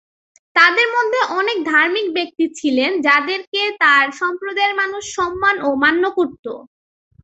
তাদের মধ্যে অনেক ধার্মিক ব্যক্তি ছিলেন যাদেরকে তার সম্প্রদায়ের মানুষ সম্মান ও মান্য করত।